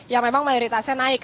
ya memang mayoritasnya naik